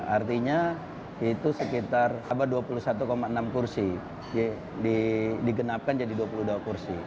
artinya itu sekitar dua puluh satu enam kursi digenapkan jadi dua puluh dua kursi